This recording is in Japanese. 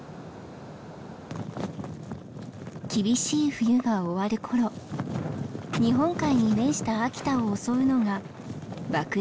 厳しい冬が終わる頃日本海に面した秋田を襲うのが爆弾